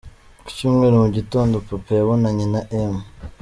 Ku cyumweru mu gitondo, Papa yabonanye na M.